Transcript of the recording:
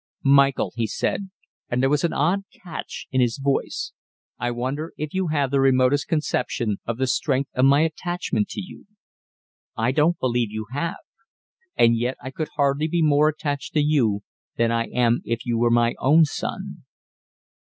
"Michael," he said, and there was an odd catch in his voice, "I wonder if you have the remotest conception of the strength of my attachment to you. I don't believe you have. And yet I could hardly be more attached to you than I am if you were my own son."